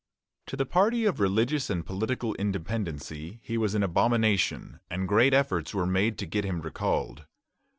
To the party of religious and political independency he was an abomination, and great efforts were made to get him recalled.